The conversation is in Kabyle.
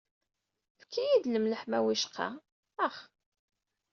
Efk-iyi-d lmelḥ, ma wicqa. Ax.